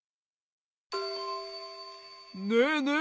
ねえねえ。